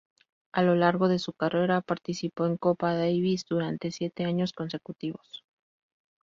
A lo largo de su carrera, participó en Copa Davis durante siete años consecutivos.